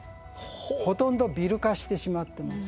ほとんどビル化してしまってます。